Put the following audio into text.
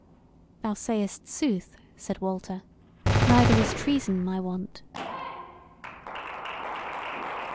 "Thou sayest sooth," said Walter; "neither is treason my wont."